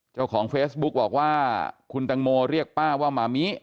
เจ้าของเฟซบุ๊กบอกว่าคุณตังโมเรียกป้าว่ามามิ